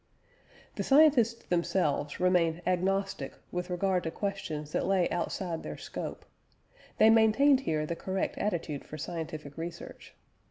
The scientists themselves remained "agnostic" with regard to questions that lay outside their scope: they maintained here the correct attitude for scientific research.